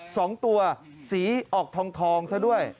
สองตัวสีออกทองซะด้วย